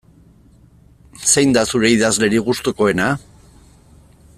Zein da zeure idazlerik gustukoena?